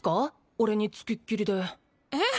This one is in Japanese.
俺につきっきりでええ